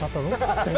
って。